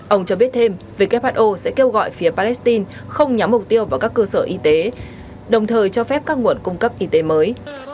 ông cho biết thêm who sẽ kêu gọi phía palestine không nhắm mục tiêu vào các cơ sở y tế đồng thời cho phép các nguồn cung cấp y tế mới